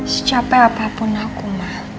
secape apapun aku mah